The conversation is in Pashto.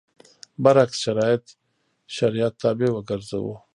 برعکس شرایط شریعت تابع وګرځوو.